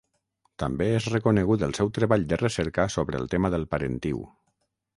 També és reconegut el seu treball de recerca sobre el tema del parentiu.